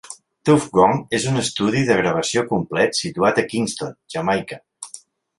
Tuff Gong és un estudi de gravació complet situat a Kingston, Jamaica.